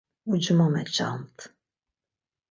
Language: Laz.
Uci mo meçamt.